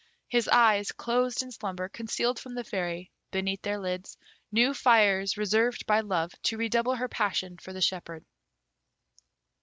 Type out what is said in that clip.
His eyes, closed in slumber, concealed from the Fairy, beneath their lids, new fires reserved by Love to redouble her passion for the shepherd.